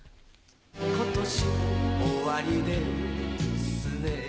今年も終りですね